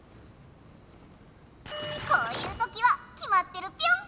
こういうときはきまってるピョン！」。